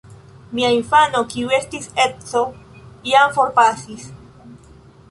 Mia infano, kiu estis edzo, jam forpasis.